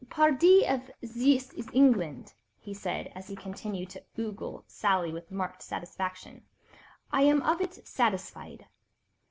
"Pardi, if zis is England," he said as he continued to ogle Sally with marked satisfaction, "I am of it satisfied."